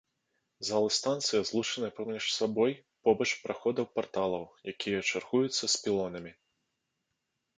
Залы станцыі злучаныя паміж сабой побач праходаў-парталаў, якія чаргуюцца з пілонамі.